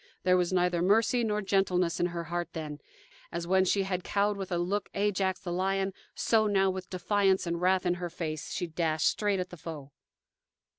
There was neither mercy nor gentleness in her heart then. As when she had cowed with a look Ajax, the lion, so now, with defiance and wrath in her face, she dashed straight at the foe.